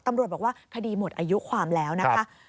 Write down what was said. ตำรวจบอกว่าคดีหมดอายุความแล้วนะคะ